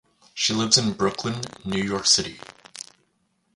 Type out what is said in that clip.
She lives in Brooklyn, New York City.